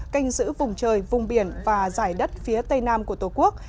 canh giữ vùng trời vùng biển và giải đất phía tây nam của tổ quốc